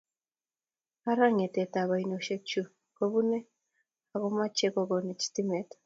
ara ngetatetap oinoshechu kopane akomakonech sitimet